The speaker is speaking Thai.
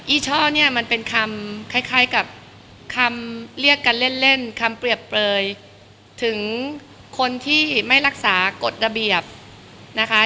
อช่อเนี่ยมันเป็นคำคล้ายกับคำเรียกกันเล่นเล่นคำเปรียบเปลยถึงคนที่ไม่รักษากฎระเบียบนะคะ